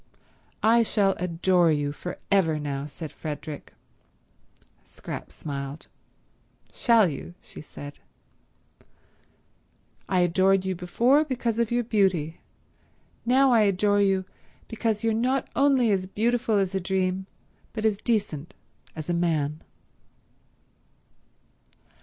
"I shall adore you for ever now," said Frederick. Scrap smiled. "Shall you?" she said. "I adored you before because of your beauty. Now I adore you because you're not only as beautiful as a dream but as decent as a man."